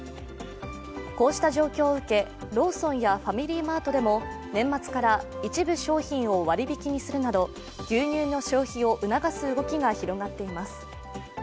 こうした状況を受け、ローソンやファミリーマートでも年末から一部商品を割引きにするなど牛乳の消費を促す動きが広がっています。